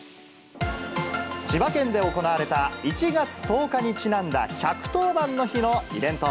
千葉県で行われた、１月１０日にちなんだ１１０番の日のイベント。